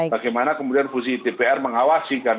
bagaimana kemudian fungsi dpr mengawasikan